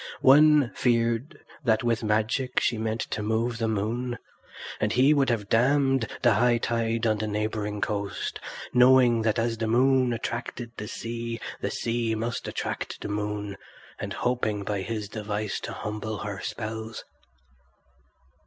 One feared that with magic she meant to move the moon; and he would have dammed the high tide on the neighbouring coast, knowing that as the moon attracted the sea the sea must attract the moon, and hoping by his device to humble her spells.